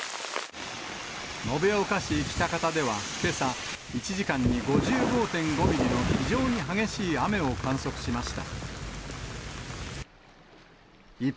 延岡市北方ではけさ、１時間に５５．５ミリの非常に激しい雨を観測しました。